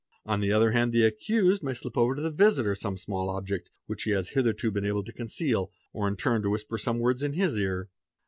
On the other hand the accused may slip over to the visitor 'some small object which he has hitherto been able to conceal, or in turn to whisper some words in his ear.